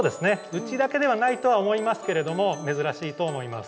うちだけではないとは思いますけれども珍しいと思います。